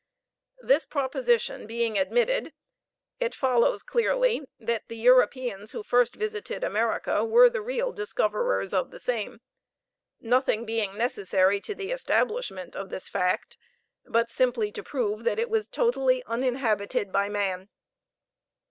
This proposition being admitted, it follows clearly that the Europeans who first visited America were the real discoverers of the same; nothing being necessary to the establishment of this fact but simply to prove that it was totally uninhabited by man.